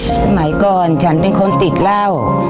สมัยก่อนฉันเป็นคนติดเหล้า